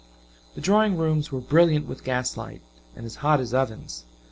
The drawing rooms were brilliant with gaslight, and as hot as ovens.